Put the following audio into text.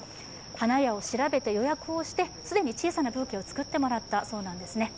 花屋を調べて予約をして既に小さなブーケを作ってもらったそうなんですね。